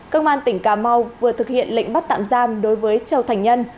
công an tỉnh cà mau vừa thực hiện lệnh bắt tạm giam đối với châu thành nhân